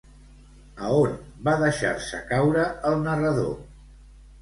A on va deixar-se caure el narrador?